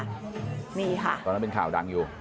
ตอนนั้นเป็นข่าวดังอยู่